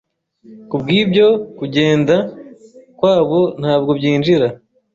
kubwibyo kugenda kwabo ntabwo byinjira